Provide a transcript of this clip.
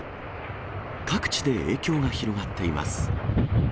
各地で影響が広がっています。